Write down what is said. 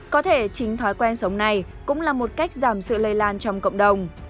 có thể chính thói quen sống này cũng là một cách giảm sự lây lan trong cộng đồng